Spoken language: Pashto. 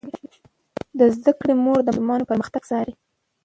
د زده کړې مور د ماشومانو پرمختګ څاري.